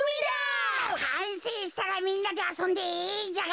かんせいしたらみんなであそんでいいんじゃがね。